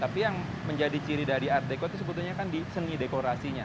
tapi yang menjadi ciri dari art deco itu sebetulnya kan di seni dekorasinya